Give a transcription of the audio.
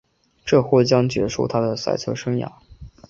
这或将结束她的赛车生涯。